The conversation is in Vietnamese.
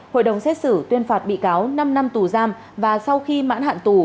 hội đồng xét xử tuyên phạt bị cáo năm năm tù giam và sau khi mãn hạn tù